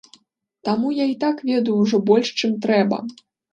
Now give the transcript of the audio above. Таму я і так ведаю ўжо больш, чым трэба.